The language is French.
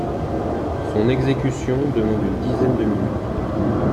Son exécution demande une dizaine de minutes.